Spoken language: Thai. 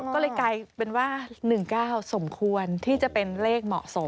ก็เลยกลายเป็นว่า๑๙สมควรที่จะเป็นเลขเหมาะสม